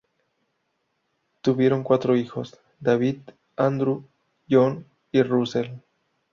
Tuvieron cuatro hijos: David, Andrew, John y Russell.